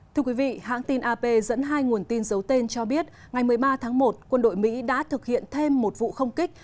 thưa quý vị hãng tin ap dẫn hai nguồn tin giấu tên cho biết ngày một mươi ba tháng một quân đội mỹ đã thực hiện thêm một vụ không kích